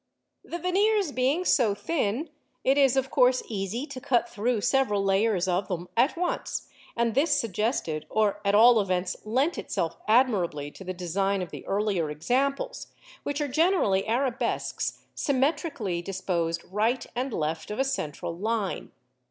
The veneers being so thin, it is of course easy to cut through several layers of them at once, and this suggested, or at all events lent itself admirably to the design of the earlier examples, which are generally arabesques symmetrically disposed right and left of a central line.